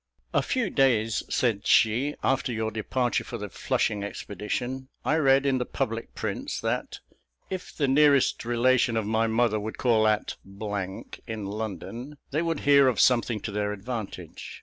"A few days," said she, "after your departure for the Flushing expedition, I read in the public prints, that 'if the nearest relation of my mother would call at , in London, they would hear of something to their advantage.'